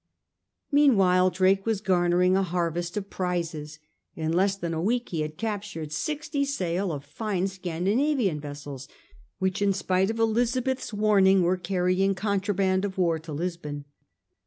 Meanwhile Drake was garnering a harvest of prizes. In less than a week he had captured sixty sail of fine Scandinavian vessels which in spite of Elizabeth's warning were carrying contraband of war to Lisbon.